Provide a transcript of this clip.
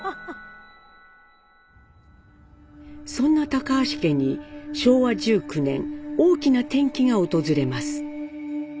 そんな橋家に昭和１９年大きな転機が訪れます。